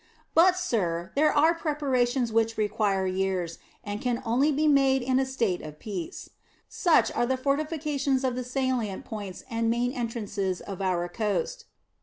But, sir, there are preparations which require years, and can only be made in a state of peace. Such are the fortifications of the salient points and main entrances of our coast.